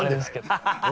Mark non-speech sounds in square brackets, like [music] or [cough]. ハハハ [laughs]